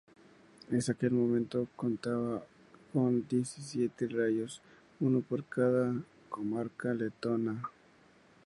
En aquel momento contaba con diecisiete rayos, uno por cada comarca letona.